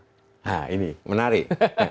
nah ini menarik